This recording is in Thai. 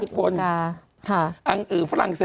จากที่ตอนแรกอยู่ที่๑๐กว่าศพแล้ว